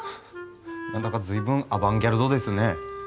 何だか随分アバンギャルドですね。